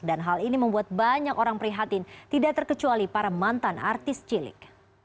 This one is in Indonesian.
dan hal ini membuat banyak orang prihatin tidak terkecuali para mantan artis cilik